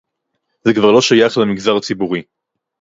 זה כבר לא שייך למגזר הציבורי